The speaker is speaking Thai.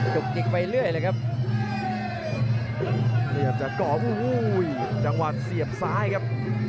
ดูกงิ่งไปเลยครับพี่อาจากกอบง่วงจังหวะเสียบซ้ายครับ